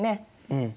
うん。